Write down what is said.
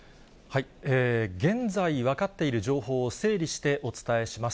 現在分かっている情報を整理してお伝えします。